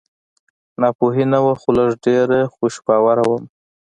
ناپوهي نه وه خو لږ ډېره خوش باوره ومه